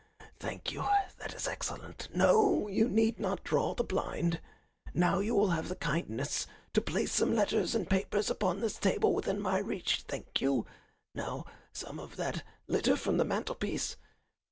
Thank you, that is excellent. No, you need not draw the blind. Now you will have the kindness to place some letters and papers upon this table within my reach. Thank you. Now some of that litter from the mantelpiece.